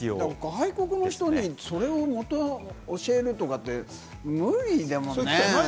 外国の人にそれを教えるとかって無理だもんね。